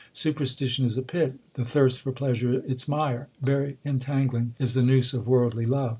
Superstition is a pit, the thirst for pleasure its mire ; very entangling is the noose of worldly love.